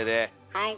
はい。